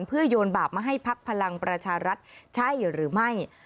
เพื่อโยนบาปมาให้พักพลังประชารัฐใช่หรือไม่